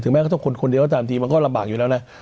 แม้เขาต้องคนคนเดียวก็ตามทีมันก็ลำบากอยู่แล้วนะ